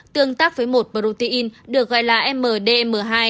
tương tác với một protein được gọi là mdmm hai